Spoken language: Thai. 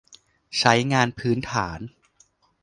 ใช้งานพื้นฐาน